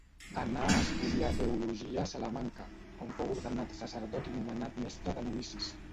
Anà a estudiar Teologia a Salamanca, on fou ordenat sacerdot i nomenat Mestre de Novicis.